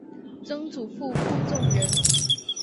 曾祖父顾仲仁。